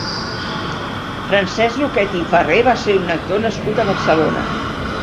Francesc Lucchetti i Farré va ser un actor nascut a Barcelona.